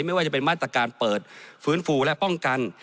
ไม่ว่าจะเป็นมาตรการเปิดฟื้นฟูและป้องกัน